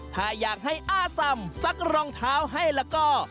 ถ้าอยากให้อ้าสำซักรองเท้าให้แล้วก็